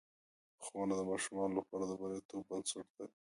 ښوونه د ماشومانو لپاره د بریالیتوب بنسټ دی.